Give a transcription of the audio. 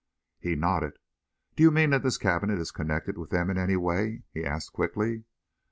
He nodded. "Do you mean that this cabinet is connected with them in any way?" he asked quickly.